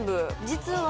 実は。